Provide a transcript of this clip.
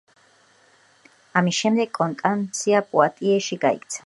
ამის შემდეგ კონსტანსია პუატიეში გაიქცა.